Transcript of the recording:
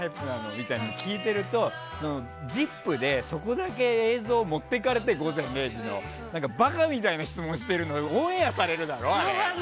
みたいなの聞いてると「ＺＩＰ！」でそこだけ、「午前０時の森」の映像を持っていかれてバカみたいな質問してるのがオンエアされるだろ？